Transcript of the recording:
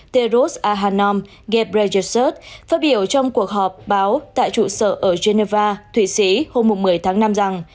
terrus ahanom ghebreyjesus phát biểu trong cuộc họp báo tại trụ sở ở geneva thụy sĩ hôm một mươi tháng năm rằng